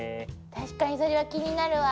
確かにそれは気になるわ。